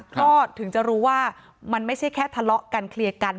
ก็ถึงจะรู้ว่ามันไม่ใช่แค่ทะเลาะกันเคลียร์กัน